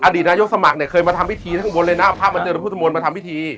อดีตนายกสมัครเนี้ยเกินมาทำวิธีข้างบนเลยนะผ้าจริงของผู้สมมติมาทำวิธี